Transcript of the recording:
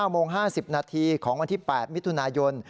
โมง๕๐นาทีของวันที่๘มิถุนายน